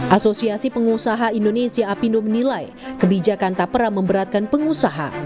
asosiasi pengusaha indonesia apindo menilai kebijakan tak pernah memberatkan pengusaha